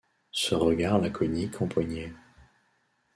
Ce regard laconique empoignait.